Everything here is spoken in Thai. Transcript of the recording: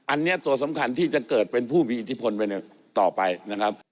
อันนี้ตัวสำคัญที่จะเกิดเป็นผู้มีอิทธิพลไปต่อไปนะครับ